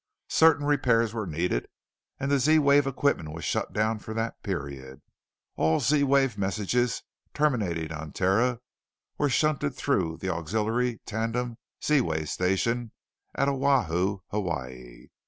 Certain repairs were needed, and the Z wave equipment was shut down for that period. All Z wave messages terminating on Terra were shunted through the Auxiliary Tandem Z wave Station at Oahu, Hawaii.